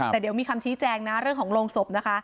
แต่เดี๋ยวมีคำชี้แจงนะเรื่องของโรงศพนะคะ